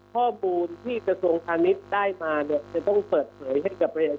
ข้อมูลที่กระทรวงพาณิชย์ได้มาเนี่ยจะต้องเปิดเผยให้กับเรา